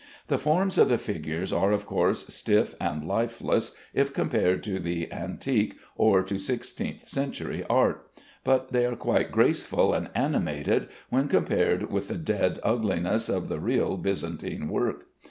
The forms of the figures are of course stiff and lifeless, if compared to the antique or to sixteenth century art; but they are quite graceful and animated when compared with the dead ugliness of the real Byzantine work.